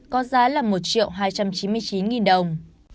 có giá là một triệu hai trăm chín mươi chín nghìn đồng